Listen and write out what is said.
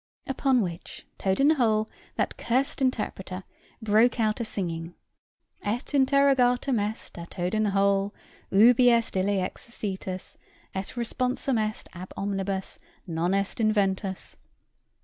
Upon which Toad in the hole, that cursed interrupter, broke out a singing "Et interrogatum est à Toad in the hole Ubi est ille exercitus? Et responsum est ab omnibus Non est inventus."